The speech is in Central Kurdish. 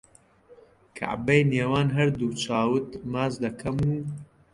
کەعبەی نێوان هەردوو چاوت ماچ دەکەم و